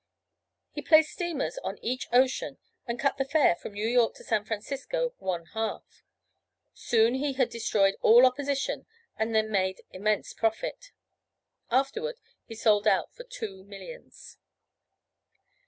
He placed steamers on each ocean and cut the fare from New York to San Francisco one half. Soon he had destroyed all opposition and then made immense profits. Afterward he sold out for two millions.